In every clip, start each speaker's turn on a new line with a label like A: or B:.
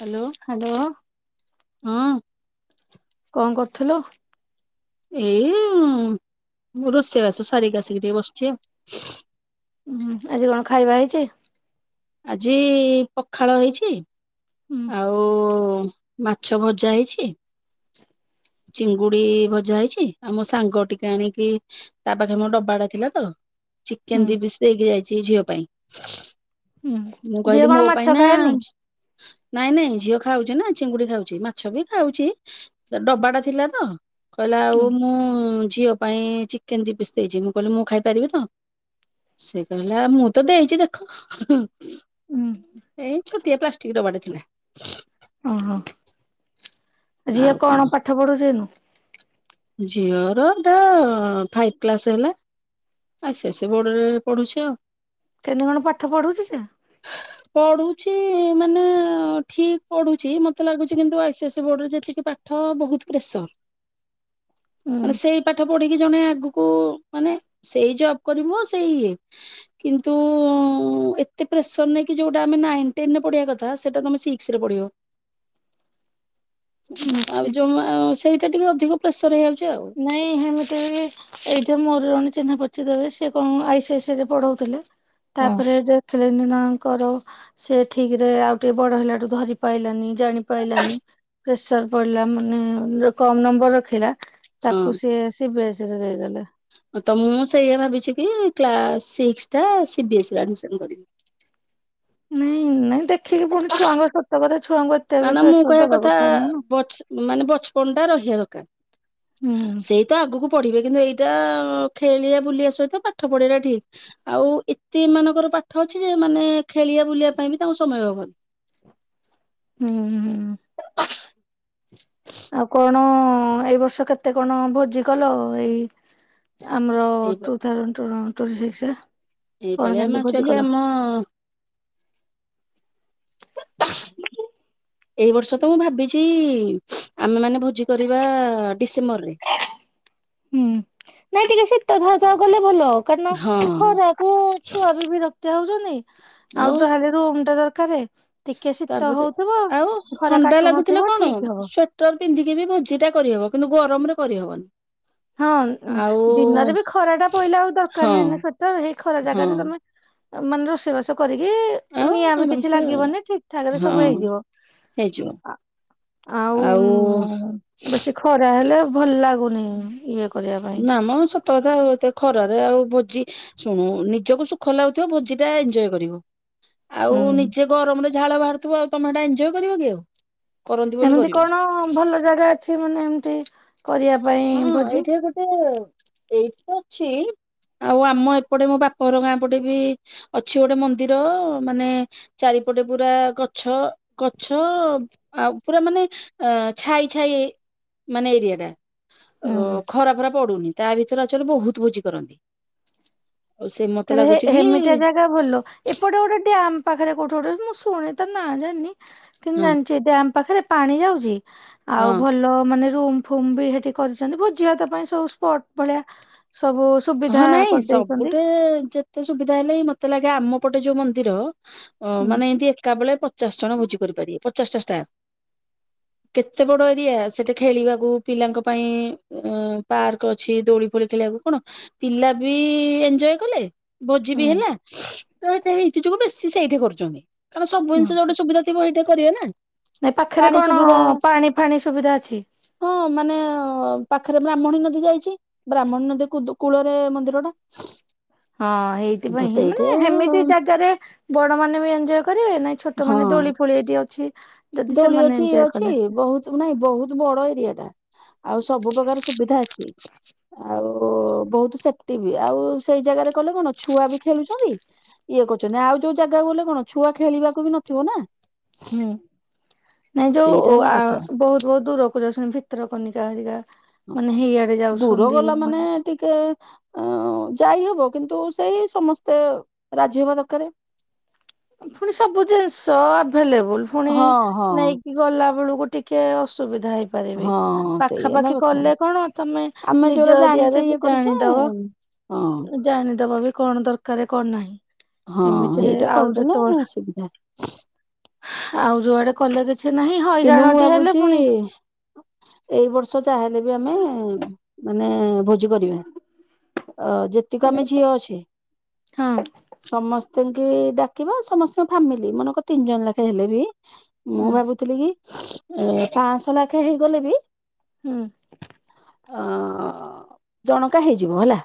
A: Hello.
B: Hello.
A: ହଁ।
B: କଣ କରୁଥୁଲୁ?
A: ଏଇ ଉଁ- ରୋଷେଇ ବାସ ସାରିକି ଆସିକି ଟିକେ ବସିଚି ଆଉ।
B: ଉଁ ଆଜି କଣ ଖାଇବା ହେଇଚି?
A: ଆଜି ପଖାଳ ହେଇଚି
B: ହୁଁ
A: ଆଉ ଉ ଉଁ ମାଛ ଭଜା ହେଇଛି
B: [inaudible]
A: ଚିଙ୍ଗୁଡି ଭଜା ହେଇଚି ଆଉ ମୋ ସାଙ୍ଗ ଟିକେ ଆଣିକି ତା ପାଖେ ମୋ ଡବାଟା ଥିଲା ତ
B: ହୁଁ
A: ଚିକେନ୍ ଦି ପିସ୍ ଦେଇକି ଯାଇଚି ଝିଅ ପାଇଁ।
B: ହୁଁ
A: ମୁଁ
B: ଝିଅ
A: କହିଲି
B: କଣ
A: ମୋ
B: ମାଛ
A: ପାଇଁ ନା
B: ଖାଏନି?
A: ଝ୍ ନାଇଁ ନାଇଁ ଝିଅ ଖାଉଚି ନା ଚିଙ୍ଗୁଡି ଖାଉଚି ମାଛ ବି ଖାଉଚି ଡବାଟା ଥିଲା ତ କଇଲା ଆଉ
B: ହୁଁ
A: ମୁଁ ଝିଅ ପାଇଁ ଚିକେନ୍ ଦି ପିସ୍ ଦେଇଚି ମୁଁ କହିଲି ମୁଁ ଖାଇପାରିବି ତ? ସେ କହିଲା ମୁଁ ତ ଦେଇଚି ଦେଖ।
B: ହୁଁ
A: ଏ ଇ ଛୋଟିଆ ପ୍ଲାଷ୍ଟିକ୍ ଡବା ଟେ ଥିଲା।
B: ଓହୋ।
A: [inaudible]
B: ଝିଏ
A: ଆଉ
B: କଣ ପାଠ ପଢୁଚି ଏନୁ?
A: ଝିଅ ର ଏଟା ଫାଇବ କ୍ଲାସ ହେଲା। ଆଇସିଆସି ବୋର୍ଡ ରେ ପଢୁଚି ଆଉ।
B: କେନ୍ତି କଣ ପାଠ ପଢୁଚି ସେ?
A: ପଢୁଛି ମାନେ ଠିକ୍ ପଢୁଛି ମତେ ଲାଗୁଚି କିନ୍ତୁ ଆଇସିଆସି ବୋର୍ଡରେ ଯେତିକି ପା ଠ ବହୁତ୍ ପ୍ରେସର୍।
B: ହୁଁ
A: ମାନେ ସେଇ ପାଠ ପଢିକି ଜଣେ ଆଗୁକୁ ମାନେ ସେଇ ଜବ୍ କରିବ ସେଇ ଇଏ କିନ୍ତୁ ଉଁ- ଏତେ ପ୍ରେସର ନେଇଁ କି ଯୋଉଟା ନାଇନ୍ ଟେନ୍ ରେ ପଢିଆ କଥା ସେଟା ତମେ ସି କ୍ସ ରେ ପଢ଼ିବ।
B: [inaudible] ଆଚ୍ଛା
A: ଆଉ ଜମା ସେଇଟା ଟିକେ ଅଧିକ ପ୍ରେସର୍ ହେଇଯାଉଚି ଆଉ।
B: ନାଇଁ ହେମେ ଏଇ ଏଇଠି ମୋର ଜଣେ ଚିହ୍ନା ପରିଚିତ ହେବେ ସେ କଣ ଆଇସିଆସି ରେ ପଢଉଥିଲେ ତାପରେ ଦେଖିଲେନି ତାଙ୍କର ସେ ଠିକ୍ ରେ ଆଉ ଟିକେ ବଡ ହେଲାଠୁ ଧରି ପାଇଲାନି ଜାଣି ପାଇଲାନି। ପ୍ରେସର ପଡିଲା ମାନେ ଯୋଉ କମ ନମ୍ବର ରଖିଲା।
A: ହଁ
B: ତାକୁ ସିଏ ସିବିଏସିରେ ଦେଇଦେଲେ।
A: ଅ ତ ମୁଁ ସେଇା ଭାବିଚି କି କ୍ଲାସ୍ ସିକ୍ସଟା ସିବିଏସ୍ଇ ରେ ଆଡ଼ମିସନ୍ କରିବି।
B: ନାଇଁ ନାଇଁ ଦେଖିକି ପୁଣି ଛୁଆଙ୍କ ସତ କଥା ଛୁଆଙ୍କ
A: ଆ ନା ମୁଁ କହିବା କଥା ବଚ ମାନେ ବଚପନ୍ ଟା ରହିବା ଦରକାର।
B: ହୁଁ।
A: ସେଇ ତ ଆଗୁକୁ ପଢିବେ କିନ୍ତୁ ଏଇଟା ଖେଳିବା ବୁଲିବା ସହିତ ପାଠ ପଢ଼ିବାଟା ଠିକ୍। ଆଉ ଏତେ ଏମାନଙ୍କର ପାଠ ଅଛି ଯେ ମାନେ ଖେଳିଆ ବୁଲିବା ପାଇଁ ବି ତାଙ୍କୁ ସମୟ ହବ
B: ହୁଁ ହୁଁ। ଆଉ କଣ ଏଇ ବର୍ଷ କେତେ କଣ ଭୋଜି କଲ ଏଇ ଆମର
A: ଏଇ
B: ଟୁ ଥାଉଜେଣ୍ଡ ଟୋ [unintelligible] ପ୍ରୋସେସ ରେ।
A: ଏଇପାଳିଆ ମାଚଲି ଆମ ଏଇ ବର୍ଷ ତ ମୁଁ ଭାବିଚି ଆମେ ମାନେ ଭୋଜି କରିବା ଡିସେମ୍ବରରେ।
B: ହୁଁ ନାଇଁ ଟିକେ ଶୀତ ଥାଉ ଥାଉ କଲେ ଭଲ। କାରନ
A: ହଁ
B: ଖରାକୁ ଛୁଆ ବି ବିରକ୍ତିଆ ହଉଚନ୍ତି ଆଉ ଯା ହେଲେ ରୁମ ଟେ ଦରକାରେ ଟିକିଏ ଶୀତ
A: ତାପରେ
B: ହଉଥିବ
A: ଆଉ
B: ଖରା କାଟୁ ନଥିବ ଠିକ୍ ହବ।
A: ଟ ର ପିନ୍ଧିକି ବି ଭୋଜିଟା କରିହବ କିନ୍ତୁ ଗରମରେ କରିହବନି।
B: ହଁ
A: ଆଉ
B: ଦିନରେ ବି ଖରା ଟା ପଇଲେ ଆଉ
A: ହଁ
B: ଦରକାର ନାହିଁ ନା ସ୍ୱେଟର ହେଇ ଖରା
A: ହଁ
B: ଜାଗାରେ ତମେ ମାନେ ରୋଷେଇବାସ କରିକି ଇ
A: ଆଉ
B: ନିଆଁ ବି କିଛି
A: ଆରାମସେ
B: ଲାଗିବନି ଠିକଠାକ୍ ରେ
A: ହଁ
B: ସବୁ ହେଇଯିବ
A: ହେଇଯିବ
B: ଆ ଆଉ ଉଁ ବେଶୀ ଖରା ହେଲେ ଭଲ ଲାଗୁନି ଇଏ କରିବା ପାଇଁ।
A: ଆମ ସତ କଥା ଆଉ ଏତେ ଖରାରେ ଆଉ ଭୋଜି ଶୁଣୁ ନିଜକୁ ସୁଖ ଲାଗୁଥିବ ଭୋଜିଟା ଏଞ୍ଜୟ କରିବ।
B: ହୁଁ
A: ଆଉ ନିଜେ ଗରମରେ ଝାଳ ବାହାରୁଥିବ ଆଉ ତମେ ହେଟା ଏଞ୍ଜୟ୍ କରିବ କି ଆଉ। କରନ୍ତି ବୋଲି
B: ଏମିତି
A: କରିବ।
B: କଣ ଭଲ ଜାଗା ଅଛି ମାନେ ଏମତି
A: ହଁ ଏଇଠେ ଗୋଟେ ଏଇଠି ତ ଅଛି ଆଉ ଆମ ଏପଟେ ମୋ ବାପ ହର ଗାଁ ପଟେ ବି ଅଛି ଗୋଟେ ମନ୍ଦିର ମାନେ ଚାରିପଟେ ପୁରା ଗଛ ଗଛ ଆଉ ପୁରା ମାନେ ଅ ଛାଇ ଛାଇ ମାନେ ଏରିଆଟା।
B: ହୁଁ
A: ଅ
B: ହୁଁ
A: ଖରାପୁରା ପଡୁନି ତା ଭିତରେ ଆକଚୁଆଲି ବହୁତ ଭୋଝି କରନ୍ତି। ଆଉ ସେ ମତେ
B: ଆରେ ହେ
A: ଲାଗୁଛି କି
B: ହେମିତିଆ ଜାଗା ଭଲ ଏପଟେ ଗୋଟେ ଡ୍ୟାମ୍ ପାଖେରେ କୋଉଠି ଗୋଟେ ମୁଁ ଶୁଣି ତା ନାଁ ଜାଣିନି କିନ୍ତୁ
A: ହଁ
B: ଜାଣିଚି ଏ ଡ୍ୟାମ ପାଖେରେ ପାଣି ଯାଉଚି। ଆଉ
A: ହଁ
B: ଭଲ ମାନେ ରୁମ୍- ଫୁମ୍ ବି ହେଠି କରିଚନ୍ତି ଭୋଜି ଭାତ ପାଇଁ ସବୁ ସ୍ପଟ ଭଳିଆ ସବୁ ସୁବିଧା
A: ହଁ ନାଇଁ
B: କରିଦେଇଛନ୍ତି
A: ସବୁଠେ ଯେ- - ଏତେ ସୁବିଧା ହେଲେ ହିଁ ମତେ ଲାଗେ ଆମ ପଟେ ଯୋଉ ମନ୍ଦିର ଅ
B: ହୁଁ।
A: ମାନେ ଏମିତି ଏକା ବେଳେ ପ ଚାସ୍ ଜଣ ଭୋଜି କରିପାରିବେ ପଚାଶ ଟା ଷ୍ଟାପ୍
B: [inaudible]
A: କେତେ ବଡ ଏରିଆ ସେଠେ ଖେଳିବାକୁ ପିଲାଙ୍କ ପାଇଁ ଅ ପାର୍କ ଅଛି ଦୋଳି ଫୋଳି ଖେଳିଆକୁ କଣ ପିଲା ବି ଏଞ୍ଜୟ କଲେ ଭୋଜି ବି
B: ହୁଁ
A: ହେଲା। ତ ହେଥେ ହେଇଥି ଯୋଗୁ ବେଶୀ ସେଇଠେ କରୁଚନ୍ତି କାରଣ ସବୁ
B: ହୁଁ
A: ଜିନିଷ ଯୋଉଟେ ସୁବିଧା ଥିବ ହେଇଠେ କରିବେ ନା।
B: ନାଇଁ ପାଖେରେ
A: ପାଣି
B: କଣ
A: ସୁବିଧା
B: ପାଣି ଫାଣି ସୁବିଧା ଅଛି?
A: ହଁ ମାନେ ଅ ପାଖେରେ ବ୍ରାହ୍ମଣୀ ନଦୀ ଯାଇଚି ବ୍ରାହ୍ମଣୀ ନଦୀ କୁଦୁ କୂଳରେ ମନ୍ଦିର ଟା।
B: ହଁ
A: ତ
B: ହେଇଥିପାଇଁଁ
A: ସେଇଠି
B: ମାନେ ହେମିତି ଜାଗାରେ ବଡ ମାନେ ବି ଏଞ୍ଜୟ୍ କରିବେ ନାଇଁ ଛୋଟ
A: ହଁ
B: ମାନେ ଦୋଳି ଫୋଳି ଏଇଠି ଅଛି- ଯଦି
A: ଦୋଳି
B: ସେମାନେ
A: ଅଛି ଇଏ
B: ଏଞ୍ଜୟ
A: ଅଛି
B: କଲେ
A: ବହୁତ ନାଇଁ ବହୁତ ବଡ ଏରିଆଟା ଆଉ ସବୁ ପ୍ରକାର ସୁବିଧା ଅଛି- ଆଉ ବହୁତ ସେଫଟି ବି ଆଉ ସେଇ ଜାଗାରେ କଲେ କଣ ଛୁଆ ବି ଖେଳୁଛନ୍ତି ଇଏ କରୁଚନ୍ତି ଆଉ ଯୋଉ ଜାଗାକୁ ଗଲେ କଣ ଛୁଆ ଖେଳିବାକୁ ବି ନଥିବ ନା
B: ହୁଁ। ନାଇଁ
A: ସେଇଟା
B: ଯୋଉ
A: ହେଲା
B: ଆ
A: କଥା
B: ବହୁତ ବହୁତ ଦୂରକୁ ଯାଉଛନ୍ତି ଭିତର କନିକା ହରିକା-
A: ହଁ
B: ମାନେ ହେଇଆଡେ
A: ଦୂର
B: ଯାଉଛନ୍ତି
A: ଗଲା ମାନେ ଟିକେ ଅ ଯାଇ ହବ କିନ୍ତୁ ସେଇ ସମସ୍ତେ ରାଜି ହବା ଦରକାରେ
B: ପୁଣି ସବୁ ଜିନିଷ ଆଭେଲେବୁଲ ପୁଣି
A: ହଁ ହଁ
B: ନେଇ ଗଲା ବେଳୁକୁ ଟିକେ ଅସୁବିଧା ହେଇ ପାରି ବି
A: ହଁ ସେଇ ହେଲା
B: ପାଖାପାଖି
A: କଥା
B: କଲେ କଣ ତମେ
A: ଆମେ ଯୋଉରା
B: ନିଜ
A: ଜାଣିଛେ
B: ଏରିଆରେ
A: ଇଏ
B: ବି
A: କରିଛେ
B: ଜାଣିଦବ-
A: ହଁ
B: ଜାଣିଦବ ବି କଣ ଦରକାର କଣ
A: ହଁ
B: ନାହିଁ। ଏମିତିରେ
A: ହେଇଟା
B: ଆଉ
A: କରିଦେଲେ
B: ଯେତେବେଳେ
A: ସୁବିଧା
B: ଆଉ ଯୋଉଆଡେ କଲେ କି ଛି ନାହିଁ
A: କିନ୍ତୁ ମୁଁ
B: ହଇରାଣଟି ହେଲେ
A: ଭାବୁଛି
B: ପୁଣି
A: ଏଇ ବର୍ଷ ଯହା ହେଲେ ବି ଆମେ ମାନେ ଭୋ କରିବା ଅ ଯେତିକ ଆମେ ଝିଅ ଅଛେ-
B: ହଁ
A: ସମସ୍ତିଙ୍କି ଡାକିବା ସମସ୍ତଙ୍କ ଫାମିଲି ମନେକ ତିନି ଜଣ ଲାଖେ ହେଲେ ବି ମୁଁ
B: ହୁଁ
A: ଭାବୁଥିଲି କି ଏ ପାଂସହ ଲାଖେ ହେଇଗଲେ ବି
B: ହୁଁ।
A: ଅ ଜଣକା ହେଇଯିବ ହେଲା।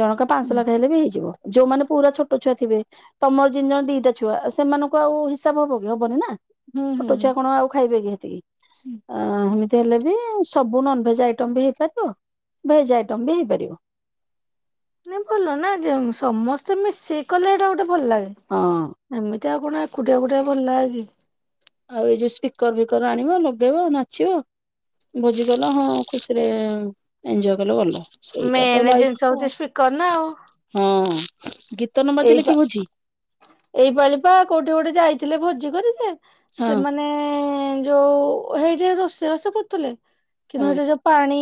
A: ଜଣକା ପାଂଆସ
B: ହୁଁ
A: ଲାକ୍ଷେ ହେଲେ ବି ହେଇଯିବ ଯୋଉମାନେ ପୁରା ଛୋଟ ଛୁଆ ଥିବେ ତମର ଜିନ ଜଣେ ଦିଟା ଛୁଆ ସେମାନଙ୍କୁ ଆଉ ହିସାବ ହବ କି ହବନି ନା।
B: ହୁଁ
A: ଛୋଟ
B: ହୁଁ।
A: ଛୁଆ କଣ ଆଉ ଖାଇବେ କେତିକି ଅ ଏମିତି ହେଲେ ବି ସବୁ ନନଭେଜ୍ ଆଇଟମ୍ ବି ହେଇପାରିବ ଭେଜ ଆଇଟମ୍ ବି ହେଇପାରିବ।
B: ନ ଭଲ ନା ସମସ୍ତେ ମିଶେଇି କଲେ ଏଇଟା ଗୋଟେ ଭଲ ଲାଗେ।
A: ହଁ।
B: ଏମିତି ଆଉ କଣ ଏକୁଟିଆ କୁଟିଆ ଭଲ କି?
A: ଆଉ ଏଇ ଯୋଉ ସ୍ପିକର ଫିକର ଆଣିବ ଲଗେଇବ ନାଚିବ। ଭୋଜି କଲ ହଁ ଖୁସିରେ ଏଞ୍ଜୟ କଲ ଭଲ। ସେଇଟା ତ
B: ମେନ୍ ଜିନିଷ
A: ଲାଗ
B: ହଉଛି ସ୍ପିକର ନା ଆଉ
A: ହଁ। ଗୀତ ନ
B: ଏଇ
A: ବାଜିଲେ କି ଭୋଜି
B: ଏଇ ପାାଳି ପା କୋଉଠି କୋଉଠି ଯାଇଥିଲେ ଭୋଜି କରି ଯେ
A: ହଁ
B: ସେମାନେ ମାନ ଯୋଉ ସେଇଠି ରୋଷେଇ ରୋଷେଇ କରୁଥିଲେ କିନ୍ତୁ
A: ହଁ
B: ସେଇଟି ଯୋଉ ପାଣି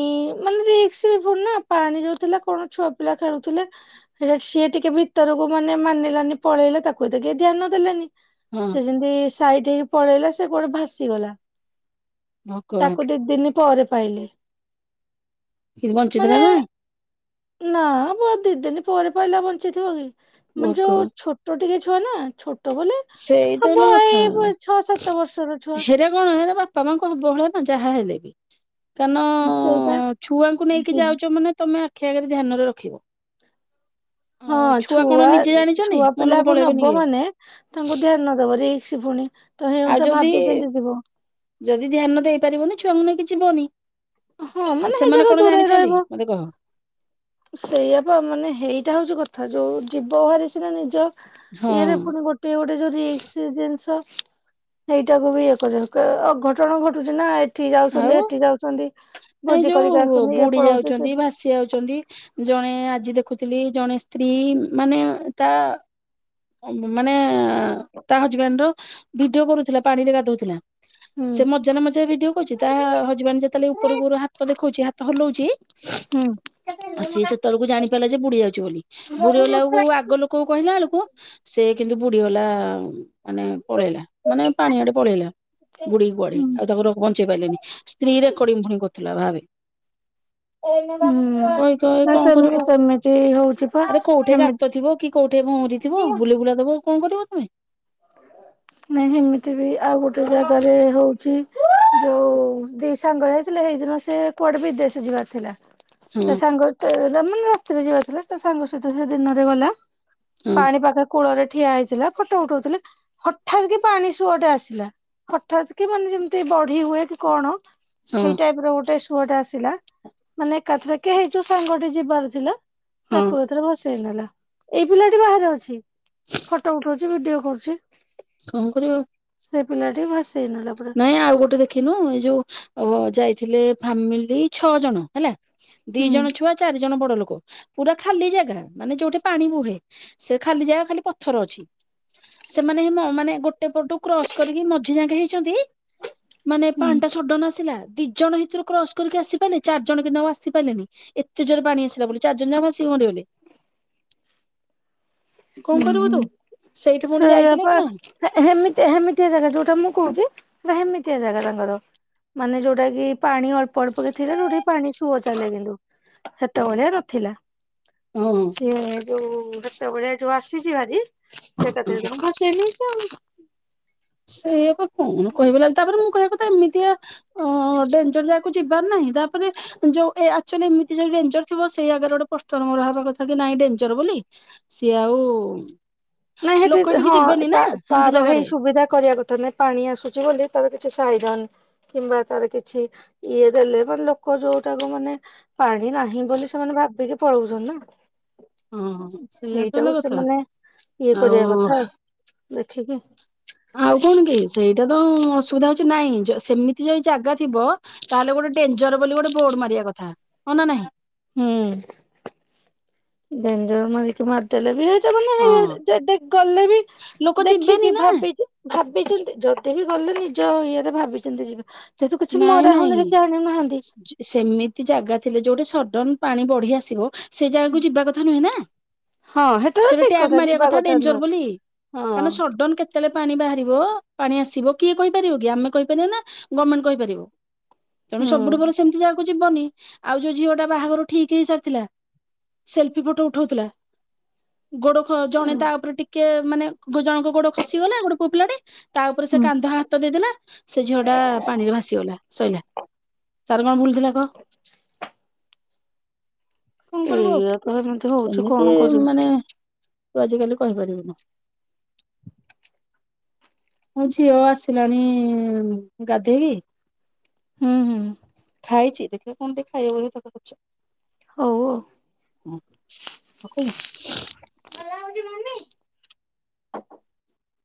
B: ମାନେ ପାଣି ଯୋଉଥିଲା କଣ ଛୁଆ ପିଲା ଖେଳୁଥିଲେ। ହେଟ ସିଏ ଟିକେ ବି ଉିତରକୁ ମାନେ ମାନିଲାନି ପଳେଇଲା ତାକୁ ଏତ କିଏ ଧ୍ୟାନ ଦେଲାନି
A: ହଁ
B: ସେ ଯେମିତି ସାଇଠ ପଳେଇଲା ସେ ଗୋଟେ ଭାସିଗଲା
A: ଭଗବାନ।
B: ତାକୁ ଦି ଦିନ ପରେ ପାଇଲେ।
A: କି
B: ମାନେ
A: ବଞ୍ଚିଥିଲା ନାାଇଁ?
B: ନା ମୋ ଦିଦିିନି ପରେ ପାଇଲା ବଞ୍ଚିତିବ କିି ମାନ ଯୋଉ
A: ଭଗବାନ
B: ଛୋ ଛୋଟ ଟିକେ ଛୁଆ ନା ଛୋଟ ବଲେ
A: ସେଇ ତ ହେଲା
B: ହବ
A: କଥା।
B: ଏଇ ଛଅ ସାତ ବର୍ଷର ଛୁଆ।
A: ହେରା କଣ ହେଲା ବାପା ମାଙ୍କୁ ହବ ଭଳିଆ ନା ଯାହା ହେଲେ ବି କାରଣ
B: ସେଇଟା
A: ଛୁଆଙ୍କୁ ନେଇକି
B: ଯି
A: ଯାଉଛ ମାନେ ତମେ ଆଖି ଆଗରେ ଧ୍ୟାନରେ ରଖିବ।
B: ହଁ
A: ଆଉ କଣ
B: ଛୁଆ
A: ନିଜେ ଜାଣିଛନ୍ତି
B: ଛୁଆ ପିଲା
A: ମନକୁ
B: କ
A: ପଳେଇବେନି
B: ନବ
A: କି ଆଉ।
B: ମାନେ। ତାଙ୍କୁ ଧ୍ୟାନ ନ ଦବ ଯସି ପୁଣି ତ
A: ଆଉ
B: ହେଇଉସ
A: ଯଦି
B: ଭାବି ଯେମିତି ଯିବ।
A: ଯଦି ଧ୍ୟାନ ଦେଇପାରିବନି ଛୁଆଙ୍କୁ ନେଇକି ଯିବନି।
B: ହଁ
A: ଆଉ
B: ମାନେ ହେଇ
A: ସେମାନେ
B: ଜାଗାରୁ
A: କଣ ଜାଣିଛନ୍ତି ମତେ କହ?
B: ସେଇଆ ପା ମାନେ ହେଇଟା ହଉଛି କଥା ଯୋଉ ଯିବ ଭାରି ସିନା ନିଜ
A: ହଁ
B: ଇଏରେ ପୁଣି ଗୋ ଟିଏ ଗୋଟେ ଯଦି ଏକ୍ସି ଜିନିଷ ସେଇଟାକୁ ବି ଇଏ କରିଦେବେ, କହିବେ ଅଘଟଣ ଘଟୁଛି ନା ଏ ଠି
A: ଆଉ
B: ଯାଉଛନ୍ତି ହେଠି ଯାଉଛନ୍ତି, ଭୋଜି କରିକି ଆସୁଛନ୍ତି ଇଏ ପଳଉଛି ସିଏ ପଳ
A: ସିଏ ଆଉଛନ୍ତି। ଜଣେ ଆଜି ଦେଖୁଥିଲି ଜଣେ ସ୍ତ୍ରୀ ମାନେ ତା ମାନେ ହଁ, ତା ହଜବ୍ୟାଣ୍ଡର ଭିଡିଓ କରୁଥିଲା ପାଣିରେ ଗାଧଉଥିଲା,
B: ହୁଁ
A: ସେ ମଜାନ ମଜେ ଭିଡିଓ ଦେଖଉଛି ତାହା ହଜବ୍ୟାଣ୍ଡ ଯେତଲେ ଉପରୁ ଉପରୁ ହାତ ଦେଖଉଛି ହାତ ହଲଉଛି
B: ହୁଁ
A: ଆ ସିଏ ସେତେବେଳକୁ ଜାଣି ପାଇଲା ଯେ ବୁଡ଼ି ଯାଉଛି ବୋଲି, ବୁଡ଼ିଗଲାକୁ ଆଗ ଲୋକକୁ କହିଲା ବେଳକୁ ସେ କିନ୍ତୁ ବୁଡ଼ି ଗଲା। ମାନେ ପଳେଇଲା ମାନେ ପାଣିଆଡ଼େ ପଳେଇଲା ବୁଡ଼ିକି କୁଆଡେ
B: ହୁଁ।
A: ଆଉ ତାଙ୍କର ବୁଝିପାଇଲେନି ସ୍ତ୍ରୀ ରେକଡିଂ ଫୁଣି କରୁଥିଲା ଭାବେ।
B: ହୁଁ,
A: କହି କହି
B: ନା
A: କଣ
B: ସେମ୍
A: କରିବ
B: ସେମିତି ହଉଛି ପା ସେମି
A: ତ ଥିବ କି କୋଉଠି ଏ ଭଉଁରି ଥିବ ବୁଲେଇ ବୁଲା ଦବ କଣ କରିବ ତମେ?
B: ନାଇଁ ହେମିତି ବି ଆଉ ଗୋଟେ ଜାଗାରେ ହଉଛି। ଯୋଉ ଦି ସାଙ୍ଗ ଯାଇଥିଲେ ହେଇଦିନ ସେ କୁଆଡେ ବିଦେଶ ଯିବାର ଥିଲା?
A: ହଁ
B: ତା ସାଙ୍ଗ ତେରେ ମାନେ ରାତିରେ ଯିବା ଥିଲା ତା ସାଙ୍ଗ ସହିତ ସେ ଦିନରେ ଗଲା।
A: ହଁ
B: ପାଣି ପାଖରେ କୂଳରେ ଠିଆ ହେଇଥିଲା ଫୋଟୋ ଉଠଉଥିଲେ। ହଠାତ୍ କି ପାଣି ସୁଅଟେ ଆସିଲା ହଠାତ୍ କି ମାନେ ଯେମିତି ବଢି ହୁଏ କି କଣ?
A: ହଁ
B: ସେଇ ଟାଇପ୍ ର ଗୋଟେ ସୁୁଅଟେ ଆସିଲା ମାନେ ଏକାଥରକେ ହେଇଯୋଉ ସାଙ୍ଗଟେ ଯିବାର ଥିଲା
A: ହଁ
B: ତାକୁ ଏଇଥିରେ ଭସେଇନେଲା। ଏଇ ପିଲାଟି ବାହାରେ ଅଛି ଫଟୋ ଉଠଉଛି, ଭିଡିଓ କରୁଛି।
A: କଣ କରିବ ଆଉ?
B: ସେ ପିଲାଟିକି ଭସେଇ ନେଲା ପୁରା।
A: ନାଇଁ ଆଉ ଗୋଟେ ଦେଖିନୁ ଏ ଯୋଉ ଅବ ଯାଇଥିଲେ ଫାମିଲ୍ ଦେଇ ଛଅ ଜଣ ହେଲା। ଦି
B: ହୁଁ
A: ଜଣ ଛୁଆ, ଚାରି ଜଣ ବଡ ଲୋକ, ପୁରା ଖାଲି ଜାଗା ମାନେ ଯୋଉଠି ପାଣି ବୁହେ। ସେ ଖାଲି ଜାଗା ଖାଲି ପଥର ଅଛି। ସେମାନେ ଏହି ମ ମାନେ ଗୋଟେ ପଟୁ କ୍ରସ୍ କରିକି ମଝି ଯାଁକେ ହେଇ ଛନ୍ତି, ମାନେ
B: ହୁଁ।
A: ପାଣିଟା ସର୍ଡନ୍ ଆସିଲା ଦି ଜଣ ହେତୁରୁ କ୍ରସ୍ କରିକି ଆସିପାଇଲେ, ଚାରିଜଣ କିନ୍ତୁ ଆଉ ଆସିପାଇଲେନି। ଏତେ ଜୋରେ ପାଣି ଆସିଲା ବୋଲି ଚାରିଜଣ ଯାକ ଭାସିକି ମରିଗଲେ। କଣ
B: ହଁ
A: କରିବୁ ତୁ
B: ହୁଁ,
A: ସେଇଠି ପୁଣି
B: ସେଇଆ
A: ଯାଇଥିଲେ
B: ପା।
A: କି ନାହିଁ
B: ହେ ହେମିତି ହେମିତିଆ ଜାଗା ଯୋଉଟା ମୁଁ କହୁଛି ହେମିତିଆ ଜାଗା ତାଙ୍କର। ମାନେ ଯୋଉଟା କି ପାଣି ଅଳ୍ପ ଅଳ୍ପକେ ଥିଲା ଯୋଉଠିକି ପାଣି ସୁଅ ଚାଲେ କିନ୍ତୁ ସେତବେଳେ ନଥିଲା।
A: ହଁ
B: ସିଏ ଯୋଉ ହେତେବେଳେ ଯୋଉ ଆସିଛି ଭାରି ସେ ଏକଥାରେ [unintelligible] ହଁ ସେମିତି ଆଉ।
A: ସେଇଆ ପା କଣ କହିବ ଲାଲି ତାପରେ ମୁଁ କହିବା କଥା ଏମିତିଆ ଅ ଡେଞ୍ଜର ଜାଗାକୁ ଯିବାର ନାହିଁ, ତାପରେ ଯୋଉ ଏ ଆକ୍ଚୋଲି ଏମିତି ଯୋଉ ଡେଞ୍ଜର ଥିବ ସେଇ ଆଗରେ ଗୋଟ ପୋଷ୍ଟର ମରାହବା କଥା କି ନାଇଁ ଡେଞ୍ଜର ବୋଲି? ସିଏ ଆଉ
B: ନାଇଁ
A: ଲୋକ
B: ହେଠି
A: ଏଠିକି
B: ହଁ
A: ଯିବେନି ନା
B: ତା
A: ସେମିତି
B: ତାର ହେଇ
A: ଜାଗାରେ
B: ସୁବିଧା କରିବା କଥା ନାଇଁ। ପାଣି ଆସୁଛି ବୋଲି ତାର କିଛି ସାଇରନ କିମ୍ବା ତାର କିଛି ଇଏ ଦେଲେ ମାନେ ଲୋକ ଯୋଉଟାକୁ ମାନେ ପାଣି ନାହିଁ ବୋଲି ସେମାନେ ଭାବିକି
A: ହଁ
B: ପଳଉଛନ୍ତିନା।
A: ସେଇଆ ତ ହେଲା
B: ସେଇଟାକୁ
A: କଥା
B: ସେମାନେ ଇଏ କରିବା
A: ଆଉ
B: କଥା, ଦେଖିକି।
A: ଆଉ କଣ କି, ସେଇଟା ତ ଅସୁବିଧା ହଉଛି, ନାଇଁ ସେମିତି ଯଦି ଜାଗା ଥିବ। ତାହେଲେ ଗୋଟେ ଡେଞ୍ଜର ବୋଲି ଗୋଟେ ବୋର୍ଡ ମାରିବା କଥା, ହଁ ନା ନାଇଁ?
B: ହୁଁ, ଡେଞ୍ଜର ମାରିକିଵା ଦେଲେ ବି ହେଇଟା ମାନେ
A: ହଁ
B: ଯେଗଲେ ବି
A: ଲୋକ ଯିବେନି
B: ଦେଖିକି
A: ନା
B: ଭାବିିକି। ଭାବିଛନ୍ତି, ଯଦିବି ଗଲେ ନିଜ ଇଏରେ ଭାବିଛନ୍ତି ଯିବେ। ସେତୁ କିଛି ବି
A: ନାଇଁ
B: ମରା
A: ନାଇଁ
B: ହଉନି କି ଜାଣିନାହାନ୍ତି।
A: ଜ- ସେମିତି ଜାଗା ଥିଲେ ଯୋଉଠି ସଡନ ପାଣି ବଢି ଆସିବ, ସେ ଜାଗାକୁ ଯିବା କଥା ନୁହେଁ ନା?
B: ହଁ ହେଟା ତ
A: ସେଟି
B: ଠିକ
A: ଟ୍ୟାଗ୍ ମାରିବା
B: ଯିବା
A: କଥା, ଡେଞ୍ଜର
B: ନୁହେଁ।
A: ବୋଲି।
B: ହଁ
A: କାହିଁକି ନା ସଡନ କେତେ ଯେତେବେଳେ ପାଣି ବାହାରିବ, ପାଣି ଆସିବ, କିଏ କହିପାରିବ କି? ଆମେ କହିପାରିବା ନା ଗଭର୍ଣମେଣ୍ଟ କହିପାରିବ? ତେଣୁ ସବୁଠୁ ଭଲ
B: ହୁଁ
A: ସେମିତି ଯାଗାକୁ ଯିବନି। ଆଉ ଯୋଉ ଝିଅଟା ବାହାଘର ଠିକ ହେଇ ସାରିଥିଲା, ସେଲଫି ଫଟୋ ଉଠୋଉଥିଲା ଗୋଡ ଖ ଜଣେ ତା ଉପରେ ଟିକେ ମାନେ ଜଣଙ୍କ ଗୋଡ ଖସି ଗଲା ଗୋଟ ପୁଅ ପିଲାଟେ, ତା ଉପରେ ସେ କାନ୍ଧ ହାତ ଦେଇଦେଲା, ସେ ଝିଅ ଟା ପାଣିରେ ଭାସିଗଲା, ସଇଲା। ତାର କଣ ଭୁଉ ଥିଲା କହ? କଣ କରିବୁ,
B: ଏଇଆ ତ ଏମିତି
A: ଆଉ
B: ହଉଛି
A: ସେମିତି
B: କଣ କରିବୁ
A: ମାନେ ତୁ ଆଜିକାଲି କହିପାରିବୁନୁ‌। ମୋ ଝିଅ ଆସିଲାଣି ଗାଧେଇ କି
B: ହୁଁ ହୁଁ
A: ଖାଇଛି ଦେଖିଆ କଣ ଟିକେ ଖାଇବ କଥା ପଚା
B: ହଉ ଆଉ।
A: ହ ହଁ କଲି।
B: ଭଲ ହଉଛି ମାନେ?